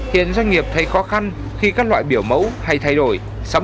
hiện doanh nghiệp thấy khó khăn khi các loại biểu mẫu hay thay đổi sáu mươi ba